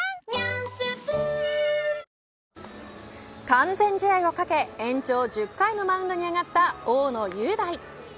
完全試合を懸け延長１０回のマウンドに上がった大野雄大。